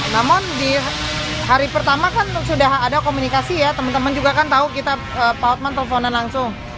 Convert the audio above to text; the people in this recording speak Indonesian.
namun di hari pertama kan sudah ada komunikasi ya teman teman juga kan tahu kita pak otman teleponan langsung